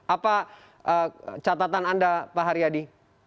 apa catatan anda pak haryadi